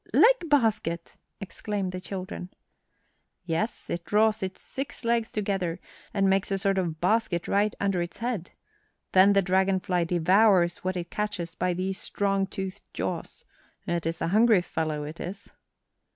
"Leg basket!" exclaimed the children. "Yes; it draws its six legs together, and makes a sort of basket right under its head. Then the dragon fly devours what it catches by these strong toothed jaws. It is a hungry fellow, it is."